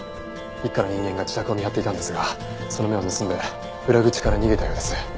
一課の人間が自宅を見張っていたんですがその目を盗んで裏口から逃げたようです。